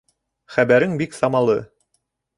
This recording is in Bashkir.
— Хәбәрең бик самалы...